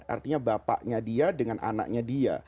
artinya bapaknya dia dengan anaknya dia